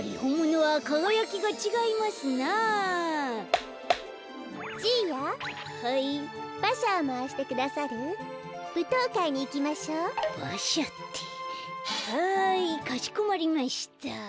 はいかしこまりました。